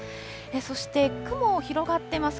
そして雲、広がっています。